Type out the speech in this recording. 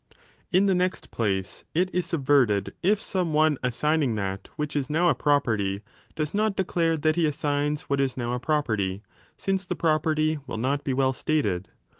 In the next place, it is subverted if some one , 4). Ve. assigning that which is now a property, does not. ther the as declare that he assigns what is now.a property, pad ἀᾷ τ since the property will not be well stated.